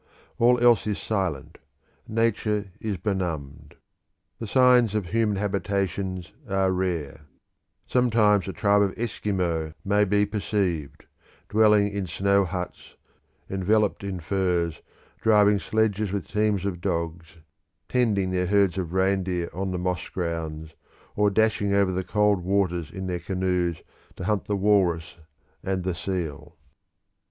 All else is silent, Nature is benumbed. The signs of human habitations are rare; sometimes a tribe of Esquimaux may be perceived, dwelling in snow huts, enveloped in furs, driving sledges with teams of dogs, tending their herds of reindeer on the moss grounds, or dashing over the cold waters in their canoes to hunt the walrus and the seal.